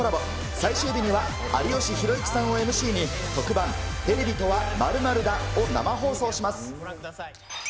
最終日には有吉弘行さんをＭＣに、特番、テレビとは、〇○だを生放送します。